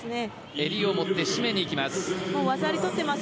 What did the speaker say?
襟を持って絞めに行きます。